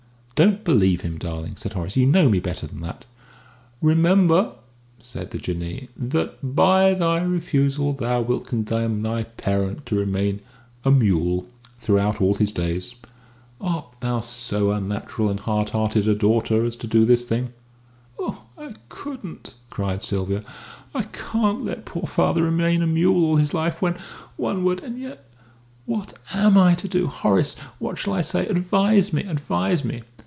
"Don't believe him, darling," said Horace; "you know me better than that." "Remember," said the Jinnee, "that by thy refusal thou wilt condemn thy parent to remain a mule throughout all his days. Art thou so unnatural and hard hearted a daughter as to do this thing?" "Oh, I couldn't!" cried Sylvia. "I can't let poor father remain a mule all his life when one word and yet what am I to do? Horace, what shall I say? Advise me.... Advise me!"